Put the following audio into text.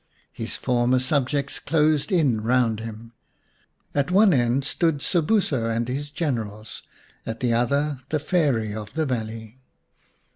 His former subjects closed in round him; at one end stood Sobuso and his generals, at the other the Fairy of the valley.